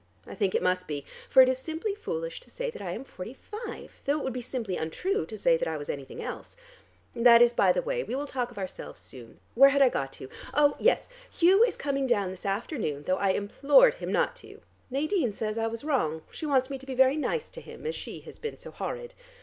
I think it must be, for it is simply foolish to say that I am forty five, though it would be simply untrue to say that I was anything else. That is by the way; we will talk of ourselves soon. Where had I got to? Oh, yes, Hugh is coming down this afternoon though I implored him not to. Nadine says I was wrong. She wants me to be very nice to him, as she has been so horrid.